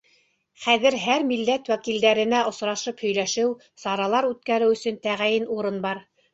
Хәҙер һәр милләт вәкилдәренә осрашып һөйләшеү, саралар үткәреү өсөн тәғәйен урын бар.